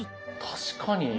確かに。